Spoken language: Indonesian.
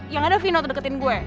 ya gak ada vino yang deketin gue